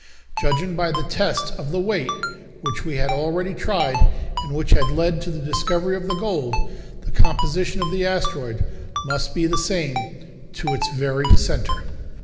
Judging by the test of weight which we had already tried, and which had led to the discovery of the gold, the composition of the asteroid must be the same to its very centre.